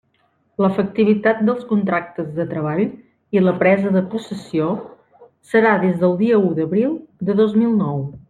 L'efectivitat dels contractes de treball, i la presa de possessió, serà des del dia u d'abril de dos mil nou.